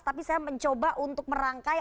tapi saya mencoba untuk merangkai